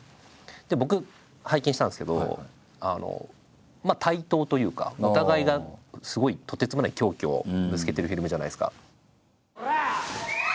僕拝見したんですけど対等というかお互いがすごいとてつもない狂気をぶつけてるフィルムじゃないですか。